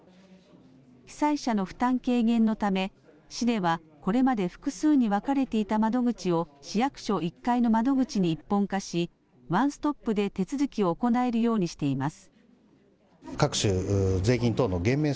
被災者の負担軽減のため市ではこれまで複数に分かれていた窓口を市役所１階の窓口に一本化しワンストップで手続きを行えるようにしています。